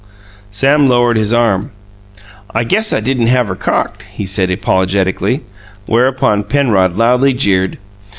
Sam lowered his arm. "I guess I didn't have her cocked," he said apologetically, whereupon Penrod loudly jeered.